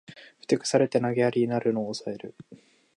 ふてくされて投げやりになるのをおさえる